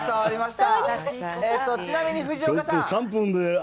ちなみに藤岡さん。